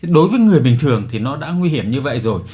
đối với người bình thường thì nó đã nguy hiểm như vậy rồi